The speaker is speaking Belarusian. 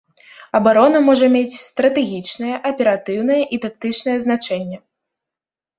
Абарона можа мець стратэгічнае, аператыўнае і тактычнае значэнне.